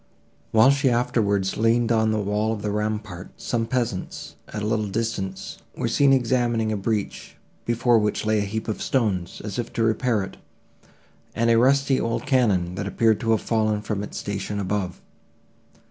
While she afterwards leaned on the wall of the rampart, some peasants, at a little distance, were seen examining a breach, before which lay a heap of stones, as if to repair it, and a rusty old cannon, that appeared to have fallen from its station above.